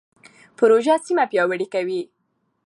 پروژه سیمه پیاوړې کوي.